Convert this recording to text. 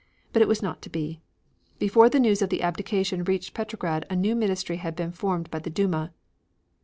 But it was not to be. Before the news of the abdication reached Petrograd a new ministry had been formed by the Duma.